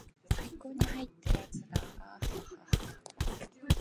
最高にハイ!ってやつだアアアアアアハハハハハハハハハハーッ